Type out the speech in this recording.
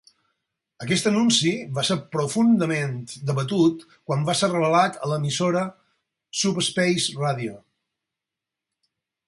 Aquest anunci va ser profundament debatut quan va ser revelat a l'emissora Subspace Radio.